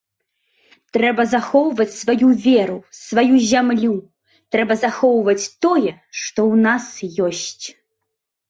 Трэба захоўваць сваю веру, сваю зямлю, трэба захоўваюць тое, што ў нас ёсць.